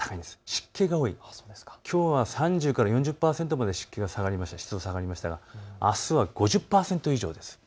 湿気が多い、きょうは３０から４０％ぐらいまで湿度が下がりましたがあすは５０％以上です。